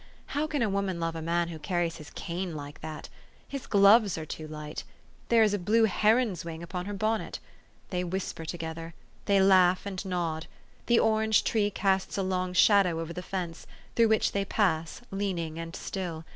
How can a woman love a man who carries his cane like that ? His gloves are too light. There 432 THE STORY OF AVIS. is a blue heron's wing upon her bonnet. They whis per together. They laugh and nod. The orange tree casts a long shadow over the fence, through which they pass, leaning and still.